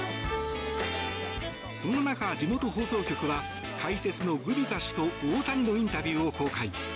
そんな中、地元放送局は解説のグビザ氏と大谷のインタビューを公開。